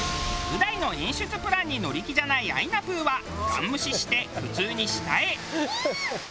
う大の演出プランに乗り気じゃないあいなぷぅはガン無視して普通に下へ。